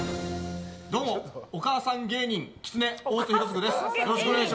どうも、お母さん芸人きつね、大津広次です。